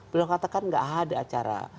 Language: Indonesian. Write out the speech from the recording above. beliau katakan gak ada acara